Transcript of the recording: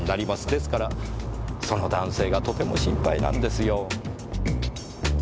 ですからその男性がとても心配なんですよ。